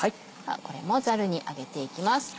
これもザルに上げていきます。